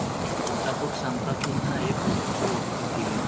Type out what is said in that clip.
অধ্যাপক শান্তা সিনহা এর প্রথম সভাপতি ছিলেন।